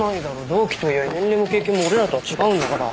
同期とはいえ年齢も経験も俺らとは違うんだから。